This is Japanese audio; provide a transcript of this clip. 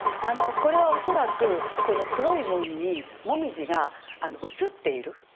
これは恐らくこの黒い門に紅葉が映っている。